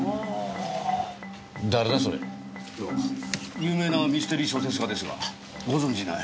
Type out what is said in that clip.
有名なミステリー小説家ですがご存じない？